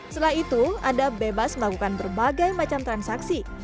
setelah itu anda bebas melakukan berbagai macam transaksi